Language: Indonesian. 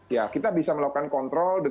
ya kita bisa melakukan kontrol